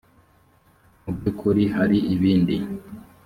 mu by ukuri hari ibindi